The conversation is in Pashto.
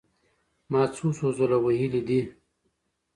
ما څو څو ځله وئيلي دي